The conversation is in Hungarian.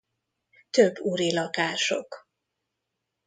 Több uri lakások.